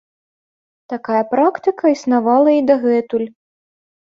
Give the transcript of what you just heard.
Такая практыка існавала і дагэтуль.